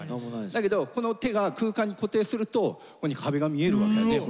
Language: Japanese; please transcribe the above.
だけどこの手が空間に固定するとここに壁が見えるわけ。